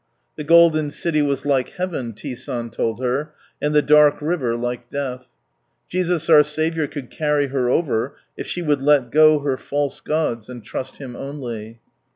The golden city was like Heaven, T. San told her, and the dark river like death. Jesus our Saviour could carry her over, if she would let go her false gods, and trust Him only.